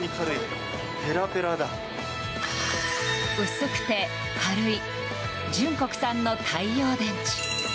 薄くて軽い純国産の太陽電池。